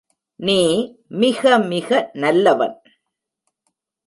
நீ மிக மிக நல்லவன்.